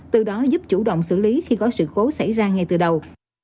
từ đó giúp chủ động xử lý khi có sự cố xảy ra ngay từ đầu